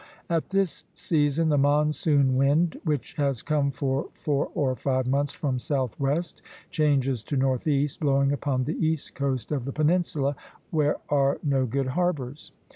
At this season the monsoon wind, which has come for four or five months from southwest, changes to northeast, blowing upon the east coast of the peninsula, where are no good harbors.